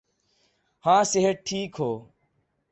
ہاں صحت ٹھیک ہو۔